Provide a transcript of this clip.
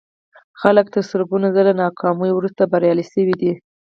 خلک تر سلګونه ځله ناکاميو وروسته بريالي شوي دي.